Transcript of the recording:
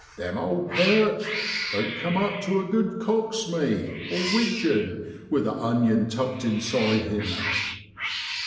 l Them owd perch oan't cum up tu a good cock smee (widgeon) with a onion tucked inside him.